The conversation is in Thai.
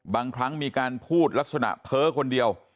บางครั้งมีการพูดลักษณะเพ้อคนเดียว